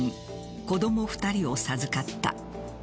子供２人を授かった。